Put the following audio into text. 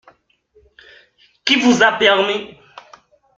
Qui vous a permis ?…